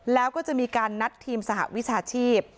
แล้วก็จะมีการนัดทีมสหวิชาชีพ